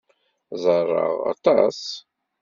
Ẓerreɣ aṭas.